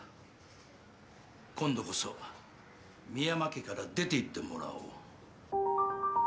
今度こそ深山家から出ていってもらおう。